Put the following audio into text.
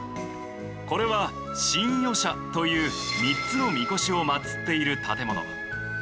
これは神輿舎という３つのみこしを祀っている建物。